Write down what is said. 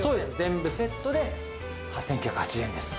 全部セットで８９８０円です。